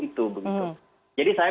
itu begitu jadi saya